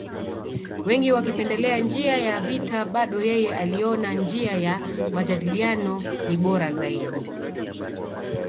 Wengi wakipendelea njia ya vita bado yeye aliona njia ya majadiliano ni bora zaidi